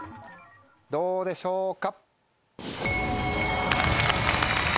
どうでしょうか？